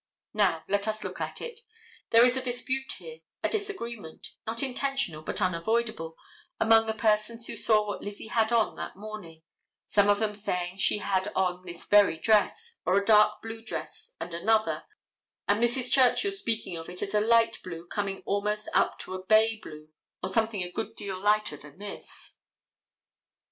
Now, let us look at it. There is a dispute here, a disagreement, not intentional, but unavoidable, among the persons who saw what Lizzie had on that morning, some of them saying that she had on this very dress, or a dark blue dress and another, and Mrs. Churchill speaking of it as a light blue coming almost up to a bay blue, or something a good deal lighter than this.